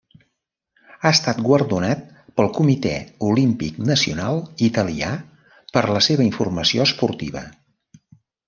Ha estat guardonat pel Comitè Olímpic Nacional Italià per la seva informació esportiva.